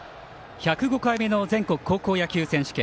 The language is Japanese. １０５回目の全国高校野球選手権。